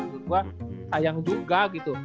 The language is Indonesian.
gue sayang juga gitu